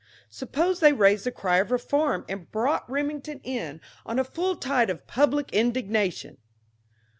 Suppose they raised the cry of reform and brought Remington in on a full tide of public indignation?